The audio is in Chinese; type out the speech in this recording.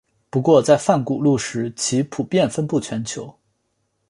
不过在泛古陆时其分布遍布全球。